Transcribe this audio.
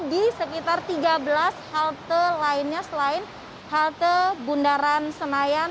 di sekitar tiga belas halte lainnya selain halte bundaran senayan